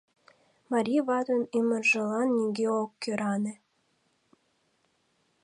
Марий ватын ӱмыржылан нигӧ ок кӧране.